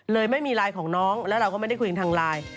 ไม่มีไลน์ของน้องแล้วเราก็ไม่ได้คุยกันทางไลน์